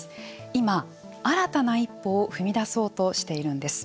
今、新たな１歩を踏み出そうとしているんです。